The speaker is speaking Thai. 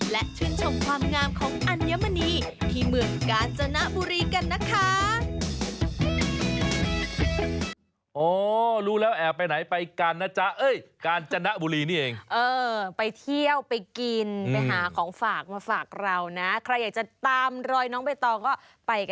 และชื่นชมความงามของอัญมณีที่เมืองกาญจนบุรีกันนะคะ